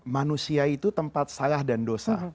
manusia itu tempat salah dan dosa